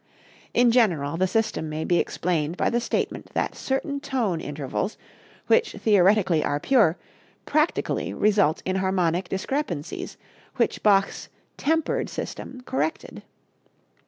In general, the system may be explained by the statement that certain tone intervals, which theoretically are pure, practically result in harmonic discrepancies, which Bach's "tempered" system corrected.